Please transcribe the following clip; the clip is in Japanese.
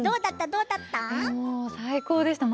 どうだった？